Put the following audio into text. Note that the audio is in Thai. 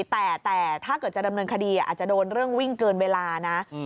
แต่ถ้าเกิดจะดำเนินคดีอาจจะโดนเรื่องวิ่งเกินเวลานะ